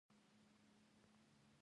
هغه د سولې او یووالي دعا کوله.